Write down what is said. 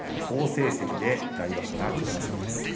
好成績で来場所が楽しみです。